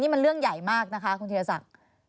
นี่มันเรื่องใหญ่มากนะคะคุณธิรษัท